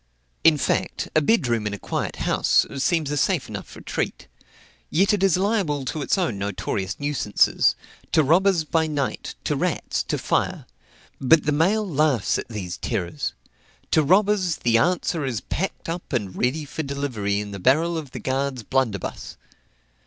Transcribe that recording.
In fact, a bed room in a quiet house, seems a safe enough retreat; yet it is liable to its own notorious nuisances, to robbers by night, to rats, to fire. But the mail laughs at these terrors. To robbers, the answer is packed up and ready for delivery in the barrel of the guard's blunderbuss.